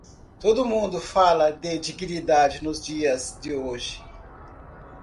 Todo mundo fala de dignidade nos dias de hoje.